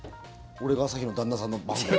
俺が朝日の旦那さんの番号？